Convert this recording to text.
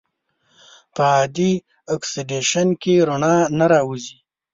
په عادي اکسیدیشن کې رڼا نه راوځي.